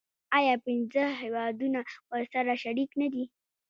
آیا پنځه هیوادونه ورسره شریک نه دي؟